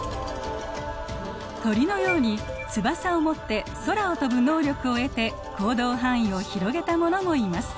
鳥のように翼を持って空を飛ぶ能力を得て行動範囲を広げたものもいます。